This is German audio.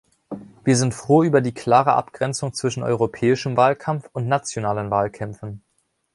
Wir sind froh über die klare Abgrenzung zwischen europäischem Wahlkampf und nationalen Wahlkämpfen.